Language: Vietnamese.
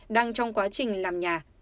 đang trong quá trình làm nhà